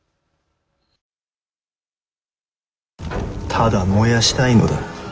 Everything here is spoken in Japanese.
ただ燃やしたいのだ。